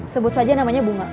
sebut saja namanya bunga